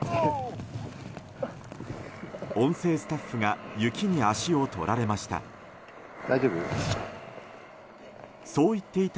音声スタッフが雪に足を取られました。